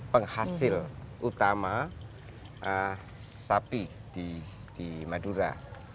penghasil utama sapi di madura